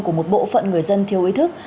của một bộ phận người dân thiếu ý thức